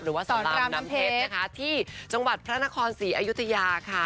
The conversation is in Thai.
หรือว่าสอนรามน้ำเพชรที่จังหวัดพระนครศรีอายุติยาค่ะ